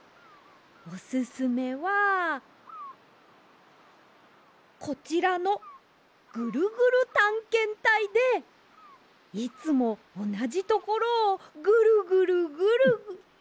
オススメはこちらの「ぐるぐるたんけんたい」でいつもおなじところをぐるぐるぐるぐる。